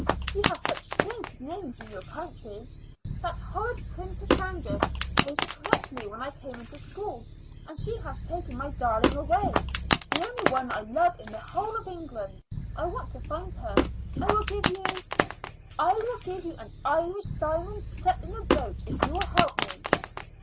You have such strange names in your country. That horrid, prim Cassandra chose to correct me when I came into school, and she has taken my darling away the only one I love in the whole of England. I want to find her. I will give you I will give you an Irish diamond set in a brooch if you will help me."